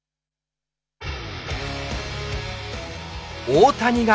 大谷が。